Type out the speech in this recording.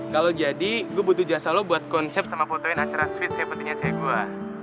kalau jadi gue butuh jasa lo buat konsep sama fotoin acara suites yang pentingnya cewe gue